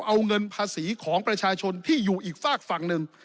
เอาเงินภาษีของประชาชนที่อยู่อีกฝากฝั่งหนึ่ง